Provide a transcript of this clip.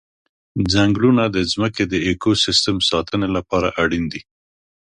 ځنګلونه د ځمکې د اکوسیستم ساتنې لپاره اړین دي.